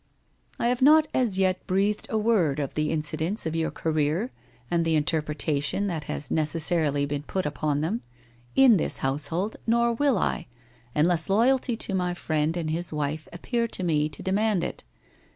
i I have not as yet breathed a word of the incidents of your career and the interpretation that has necessarily been put upon them, in this household nor will I, unless loyalty to my friend and his wife appear to me to demand it.